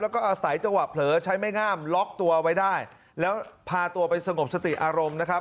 แล้วก็อาศัยจังหวะเผลอใช้ไม้งามล็อกตัวไว้ได้แล้วพาตัวไปสงบสติอารมณ์นะครับ